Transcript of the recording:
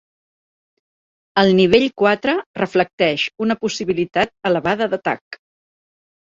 El nivell quatre reflecteix una possibilitat elevada d’atac.